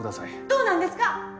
どうなんですか！？